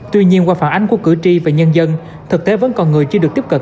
tuy nhiên qua phản ánh của cử tri và nhân dân thực tế vẫn còn người chưa được tiếp cận